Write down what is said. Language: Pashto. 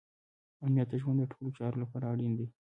امنیت د ژوند د ټولو چارو لپاره اړین دی.